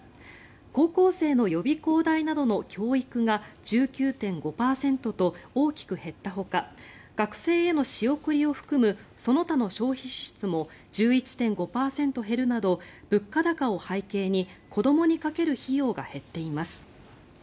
高校生の予備校代などの教育が１９．５％と大きく減ったほか学生への仕送りを含むその他の消費支出も１１．５％減るなど物価高を背景に子どもにかける費用が減っています。